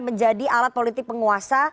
menjadi alat politik penguasa